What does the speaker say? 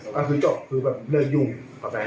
ก็คือจบคือก็เลิกยุ่มกับแฟนผม